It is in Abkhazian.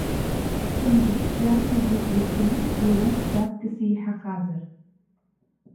Хьымӡӷыс иамоузеи, уашьа ихьӡ уара ухьӡ аҵкыс еиҳахазар?